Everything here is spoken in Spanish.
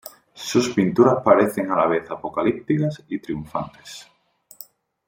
Sus pinturas parecen a la vez apocalípticas y triunfantes.